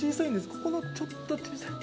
ここのちょっと小さいここに。